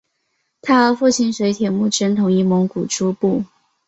他和父亲随从铁木真统一蒙古诸部。